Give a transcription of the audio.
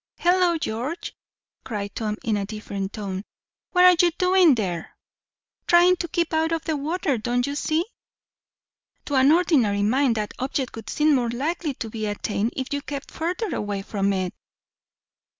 "Hollo, George!" cried Tom in a different tone "What are you doing there?" "Trying to keep out of the water, don't you see?" "To an ordinary mind, that object would seem more likely to be attained if you kept further away from it."